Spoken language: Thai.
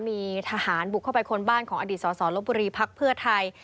มีทหารบุกเข้าไปค้นบ้านของอดีตสสลบบุรีพักเพื่อไทย